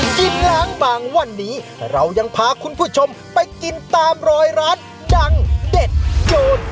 กินล้างบางวันนี้เรายังพาคุณผู้ชมไปกินตามรอยร้านดังเด็ดโจร